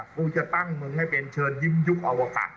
กูจะตั้งมึงให้เป็นเชิญยิ้มยุคอวกะ